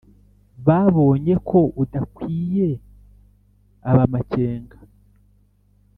Babonye ko udakwiye ab'amakenga